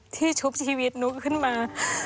ชุบชีวิตนุ๊กขึ้นมา